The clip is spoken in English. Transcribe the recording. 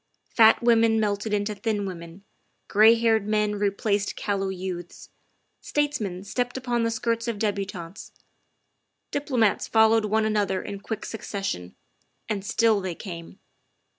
Fat women melted into thin women ; gray haired men replaced cal low youths ; statesmen stepped upon the skirts of debu tantes; diplomats followed one another in quick succes sion, and still they came.